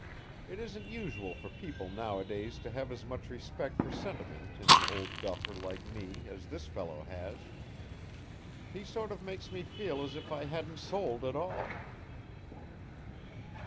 It isn't usual for people nowadays to have as much respect for sentiment in an old duffer like me as the fellow has. He sort of makes me feel as if I hadn't sold at all."